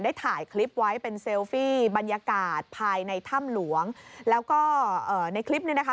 ได้ถ่ายคลิปไว้เป็นเซลฟี่บรรยากาศภายในถ้ำหลวงแล้วก็เอ่อในคลิปนี้นะคะ